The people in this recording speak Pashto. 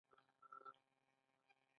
آیا دوی اسفالټ او کانکریټ نه کاروي؟